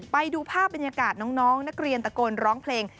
ไปดูภาพบรรยากาศน้องนักเรียนตะโกนร้องเพลง